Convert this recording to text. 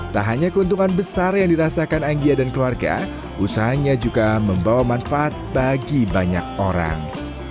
tak hanya keuntungan besar yang dirasakan anggia dan keluarga usahanya juga membawa manfaat bagi banyak orang